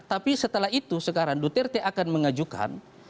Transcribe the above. tapi setelah itu sekarang duterte akan mengajukan